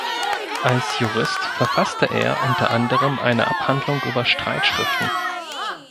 Als Jurist verfasste er unter anderem eine Abhandlung über Streitschriften.